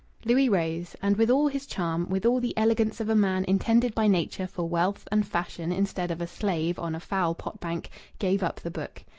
Louis rose, and with all his charm, with all the elegance of a man intended by Nature for wealth and fashion instead of a slave on a foul pot bank, gave up the book.